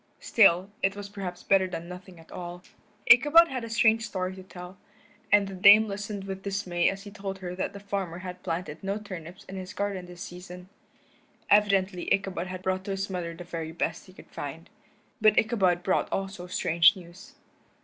Still, it was perhaps better than nothing at all. Ichabod had a strange story to tell, and the Dame listened with dismay as he told her that the farmer had planted no turnips in his garden this season. Evidently Ichabod had brought to his mother the very best he could find. But Ichabod brought also strange news.